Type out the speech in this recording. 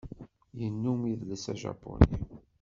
Yennum idles ajapuni.